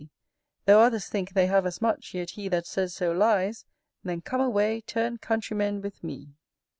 Though others think they have as much, Yet he that says so lies: Then come away, Turn countrymen with me.